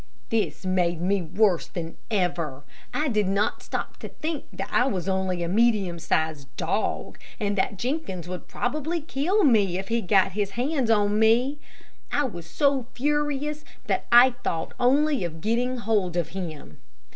This made me worse than ever. I did not stop to think that I was only a medium sized dog, and that Jenkins would probably kill me, if he got his hands on me. I was so furious that I thought only of getting hold of him.